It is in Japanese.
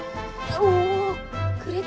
おお！くれたの？